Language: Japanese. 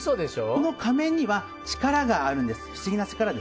この仮面には不思議な力があるんです。